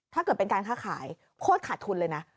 ถ้าเกิดเป็นการค้าขายโคตรขาดทุนเลยนะ